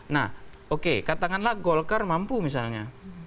nah oke katakanlah golkar mampu misalnya